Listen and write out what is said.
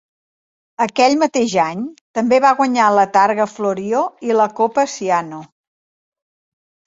Aquell mateix any també va guanyar la Targa Florio i la Coppa Ciano.